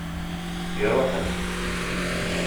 Iṛuḥ-d.